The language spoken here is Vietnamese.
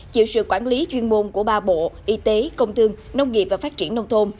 chịu sự quản lý chuyên môn của ba bộ y tế công thương nông nghiệp và phát triển nông thôn